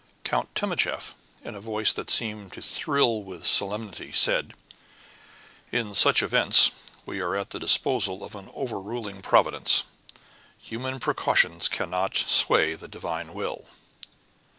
Count Timascheff, in a voice that seemed to thrill with solemnity, said: "In such events we are at the disposal of an over ruling Providence; human precautions cannot sway the Divine will."